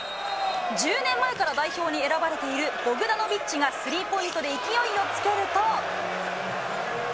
１０年前から代表に選ばれているがスリーポイントで勢いをつけると。